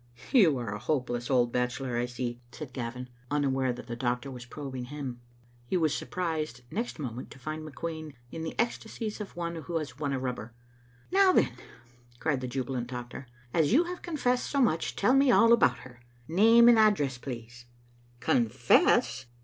"" You are a hopeless old bachelor, I see," said Gavin, unaware that the doctor was probing him. He was surprised next moment to find McQueen in the ecstasies of one who has won a rubber. " Now, then," cried the jubilant doctor, "as you have confessed so much, tell me all about her. Name and address, please." " Confess